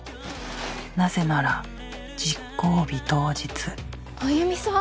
なぜなら実行日当日繭美さん！？